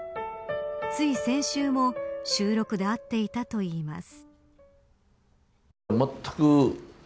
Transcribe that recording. つい先週も収録で会っていたといいます。